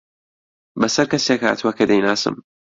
بەسەر کەسێک هاتووە کە دەیناسم.